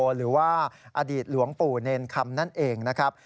หรือว่าอดีตหลวงปู่เนรคำนั่นเองนะครับ